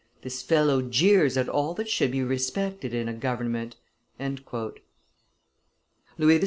This fellow jeers at all that should be respected in a government." Louis XVI.